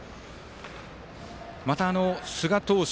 また寿賀投手